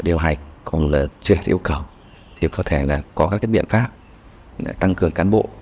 điều hành còn là chưa đạt yêu cầu thì có thể là có các cái biện pháp tăng cường cán bộ